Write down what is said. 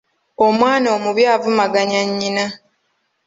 Omwana omubi avumaganya nnyinna.